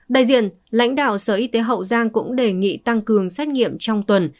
đại diện lãnh đạo sở y tế hậu giang cũng đề nghị tăng cường xét nghiệm trong tuần